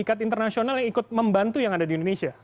atau pemain insin nasional yang ikut membantu yang ada di indonesia